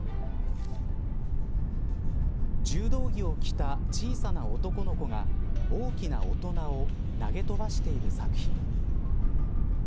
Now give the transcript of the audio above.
柔道着を着た小さな男の子が大きな大人を投げとばしている作品。